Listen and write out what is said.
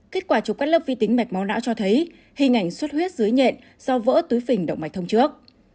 kết quả chụp các lớp vi tính mạch máu não cho thấy hình ảnh xuất huyết dưới nhện do vỡ túi phình động mạch thông trước